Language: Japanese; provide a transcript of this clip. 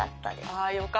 あよかった。